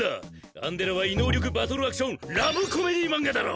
「アンデラ」は異能力バトルアクションラブコメディ漫画だろ。